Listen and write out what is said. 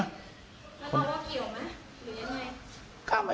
แล้วตอนรถเกี่ยวไหมหรือยังไง